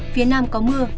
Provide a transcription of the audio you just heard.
phía nam có mưa